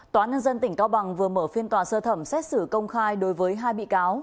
tòa nhân dân tỉnh cao bằng vừa mở phiên tòa sơ thẩm xét xử công khai đối với hai bị cáo